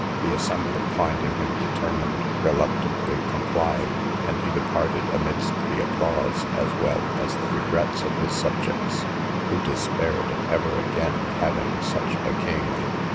The assembly finding him determined, reluctantly complied, and he departed amidst the applause, as well as the regrets of his subjects, who despaired of ever again having such a king.